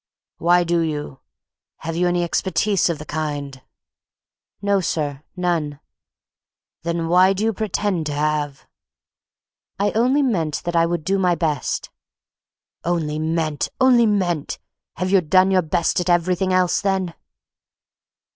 "Why do you? Have you any experience of the kind?" "No, sir, none." "Then why do you pretend you have?" "I only meant that I would do my best." "Only meant, only meant! Have you done your best at everything else, then?"